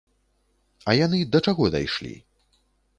А яны да чаго дайшлі?